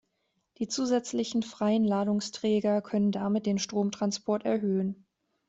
Die zusätzlichen freien Ladungsträger können damit den Stromtransport erhöhen.